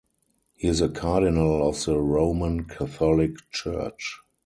He is a cardinal of the Roman Catholic Church.